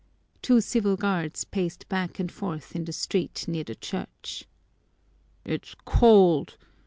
Two civil guards paced back and forth in the street near the church. "It's cold!"